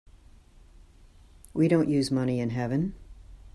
We don't use money in heaven.